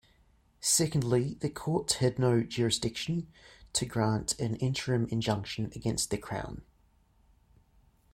Secondly, the court had no jurisdiction to grant an interim injunction against the Crown.